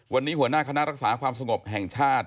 วันนี้หัวหน้าคณะรักษาความสงบแห่งชาติ